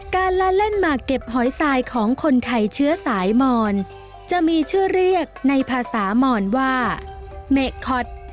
ละเล่นหมากเก็บหอยทรายของคนไทยเชื้อสายมอนจะมีชื่อเรียกในภาษามอนว่าเมคอต